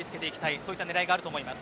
そういう狙いがあると思います。